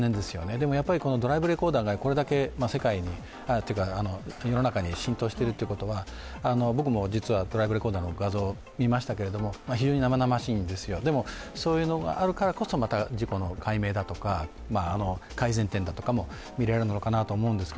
でもやっぱりドライブレコーダーがこれだけ世の中に浸透してるということは僕も実はドライブレコーダーの画像を見ましたけれども、非常に生々しいんですよ、でもそういうのがあるからこそまた事故の解明とか改善点とかも見れるのかなと思います。